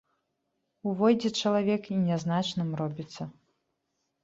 Увойдзе чалавек і нязначным робіцца.